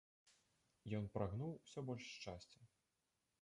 Ён прагнуў усё больш шчасця.